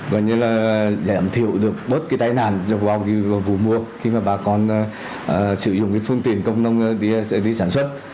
giảm thiệu được bớt cái tai nạn vào vụ mùa khi mà bà con sử dụng cái phương tiện công nông đi sản xuất